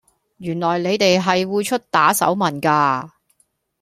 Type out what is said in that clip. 原來你哋係會出打手文架